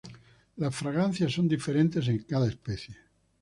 Las fragancias son diferentes en cada especie.